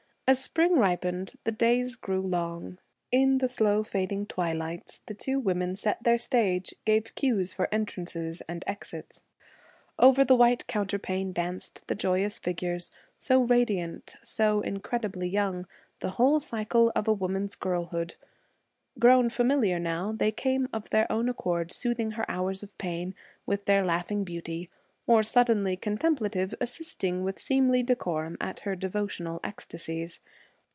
As spring ripened, the days grew long. In the slow fading twilights, the two women set their stage, gave cues for entrances and exits. Over the white counterpane danced the joyous figures, so radiant, so incredibly young, the whole cycle of a woman's girlhood. Grown familiar now, they came of their own accord, soothing her hours of pain with their laughing beauty, or, suddenly contemplative, assisting with seemly decorum at her devotional ecstasies.